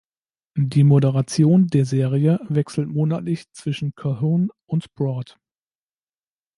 Die Moderation der Serie wechselt monatlich zwischen Colquhoun und Broad.